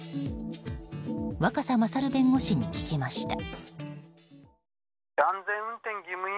若狭勝弁護士に聞きました。